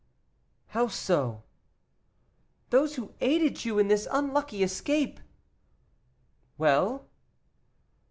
"How so?" "Those who aided you in this unlucky escape " "Well?"